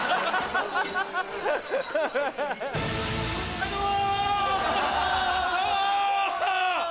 はいどうも！